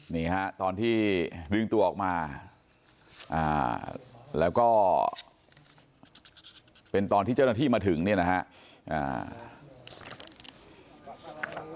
นี่ฮะตอนที่ดึงตัวออกมาแล้วก็เป็นตอนที่เจ้าหน้าที่มาถึงเนี่ยนะฮะ